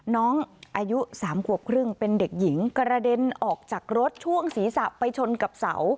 น้องอายุ๓ขวบครึ่งเป็นเด็กหญิงกระเด็นออกจากรถช่วงศีรษะไปชนกับเสา